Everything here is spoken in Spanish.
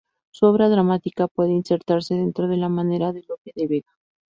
Su obra dramática puede insertarse dentro de la manera de Lope de Vega.